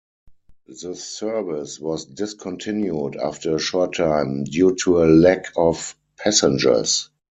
The service was discontinued after a short time due to a lack of passengers.